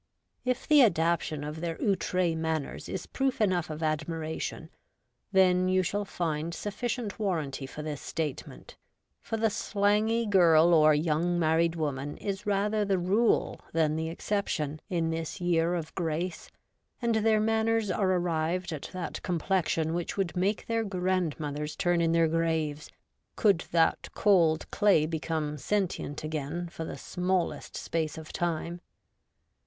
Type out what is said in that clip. If the adaptation of their outrSs manners is proof enough of admiration, then you shall find sufficient 1 6 REVOLTED WOMAN. warranty for this statement, for the slangy girl or young married woman is rather the rule than the exception in this year of grace, and their manners are arrived at that complexion which would make their grandmothers turn in their graves, could that cold clay become sentient again for the smallest space of time.